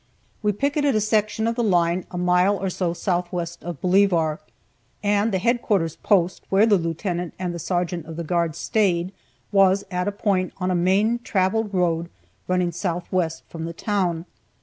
We picketed a section of the line a mile or so southwest of Bolivar, and the headquarters post, where the lieutenant and the sergeant of the guard stayed, was at a point on a main traveled road running southwest from the town.